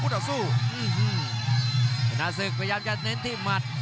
ต่อสู้ชนะศึกพยายามจะเน้นที่หมัด